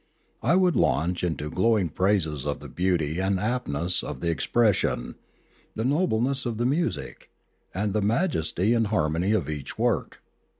I would launch into glowing praises of the beauty and aptness of the expression, the nobleness of the music, and the majesty and harmony of each work.